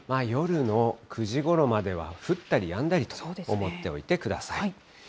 夜の９時ごろまでは降ったりやんだりと思っておいてください。